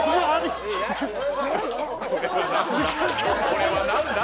これは何だ？